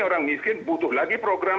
orang miskin butuh lagi program